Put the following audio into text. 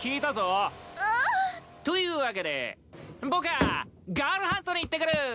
うう。というわけでぼかあガールハントに行ってくる！